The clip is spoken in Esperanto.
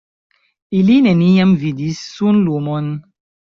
Ili neniam vidis sunlumon.